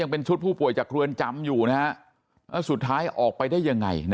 ยังเป็นชุดผู้ป่วยจากเครื่องจำอยู่นะฮะแล้วสุดท้ายออกไปได้ยังไงนะฮะ